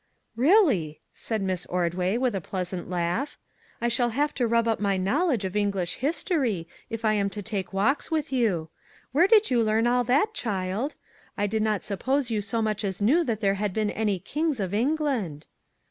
'" Really," said Miss Ordway, with a pleasant laugh, " I shall have to rub up my knowledge of English history if I am to take walks with you. Where did you learn all that, child? I did not suppose you so much as knew that there had been any kings of England."